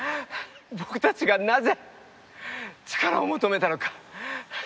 僕たちがなぜ力を求めたのか。